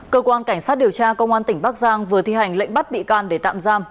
cơ quan cảnh sát điều tra công an tỉnh bắc giang vừa thi hành lệnh bắt bị can để tạm giam